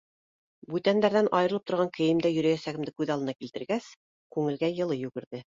Бүтәндәрҙән айырылып торған кейемдә йөрөйәсәгемде күҙ алдыма килтергәс, күңелгә йылы йүгерҙе.